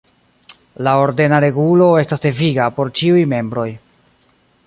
La ordena regulo estas deviga por ĉiuj membroj.